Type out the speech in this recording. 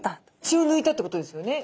血をぬいたってことですよね？